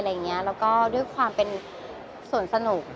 แล้วก็ด้วยความเป็นส่วนสนุก